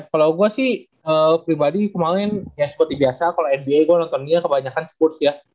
kalau gue sih pribadi kemarin ya seperti biasa kalau nba gue nonton dia kebanyakan sports ya